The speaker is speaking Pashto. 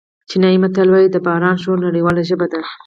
چینایي متل وایي د باران شور نړیواله ژبه ده.